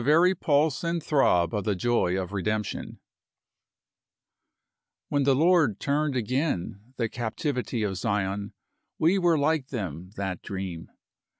very pulse and throb of the joy of redemption : When the Lord turned again the captivity of Zion, we were like them that dream.